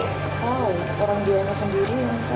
tahu orang di rumah sendiri